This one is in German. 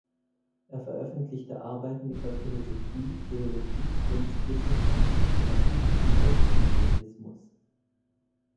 Er veröffentlichte Arbeiten über Philosophie, Theologie, Kunstwissenschaft, Mathematik und Elektromagnetismus.